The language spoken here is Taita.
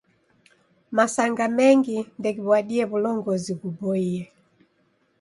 Masanga mengi ndeghiw'adie w'ulongozi ghuboie.